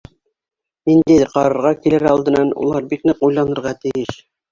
Ниндәйҙер ҡарарға килер алдынан улар бик ныҡ уйланырға тейеш.